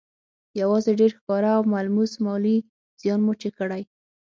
يوازې ډېر ښکاره او ملموس مالي زيان مو چې کړی